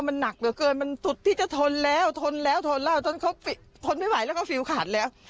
มันหนักเหลือเกินมันสุดที่จะทนแล้วทนแล้วทนแล้วทนเขาทนไม่ไหวแล้วก็ฟิลขาดแล้ว